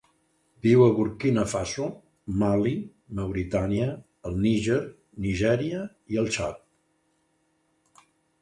Viu a Burkina Faso, Mali, Mauritània, el Níger, Nigèria i el Txad.